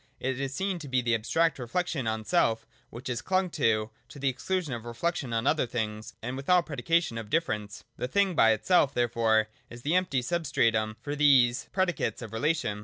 It is seen to be the abstract reflection on self, which is clung to, to the exclusion of reflection on other things and of all predication of difference. The thing by itself therefore is the empty substratum for these predicates of relation.